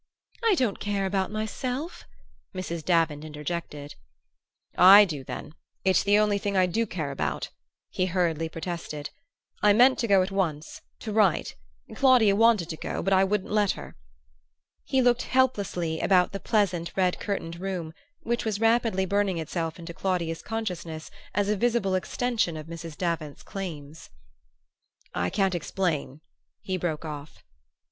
"I don't care about myself!" Mrs. Davant interjected. "I do, then; it's the only thing I do care about," he hurriedly protested. "I meant to go at once to write Claudia wanted to go, but I wouldn't let her." He looked helplessly about the pleasant red curtained room, which was rapidly burning itself into Claudia's consciousness as a visible extension of Mrs. Davant's claims. "I can't explain," he broke off.